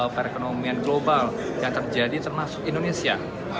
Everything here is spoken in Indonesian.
perekonomian global yang terjadi termasuk indonesia